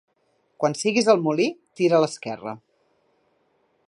Quan siguis al molí, tira a l'esquerra.